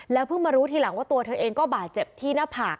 เพิ่งมารู้ทีหลังว่าตัวเธอเองก็บาดเจ็บที่หน้าผาก